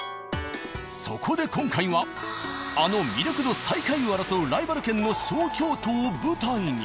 そこで今回はあの魅力度最下位を争うライバル県の小京都を舞台に。